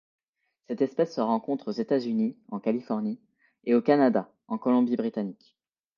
Cette espèce se rencontre aux États-Unis en Californie et au Canada en Colombie-Britannique.